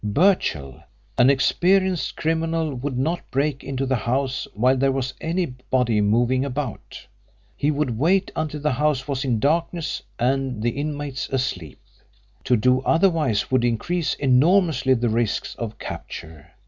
"Birchill, an experienced criminal, would not break into the house while there was anybody moving about. He would wait until the house was in darkness and the inmates asleep. To do otherwise would increase enormously the risks of capture.